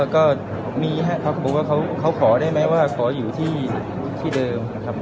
ก็มีแหล่งน้ำพอเขาขอได้ไหมว่าขออยู่ที่เดิมครับ